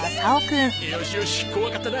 よしよし怖かったな。